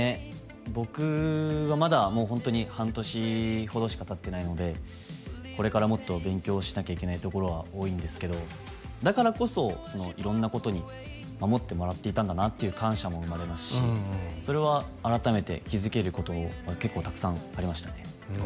僕はまだもうホントに半年ほどしかたってないのでこれからもっと勉強しなきゃいけないところは多いんですけどだからこそ色んなことに守ってもらっていたんだなって感謝も生まれますしそれは改めて気づけることが結構たくさんありましたね